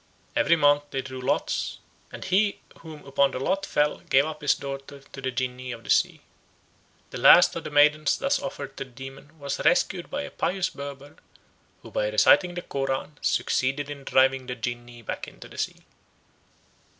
Every month they drew lots, and he upon whom the lot fell gave up his daughter to the jinnee of the sea. The last of the maidens thus offered to the demon was rescued by a pious Berber, who by reciting the Koran succeeded in driving the jinnee back into the sea.